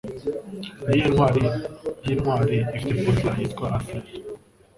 Niyihe Ntwari Yintwari Ifite Butler Yitwa Alfred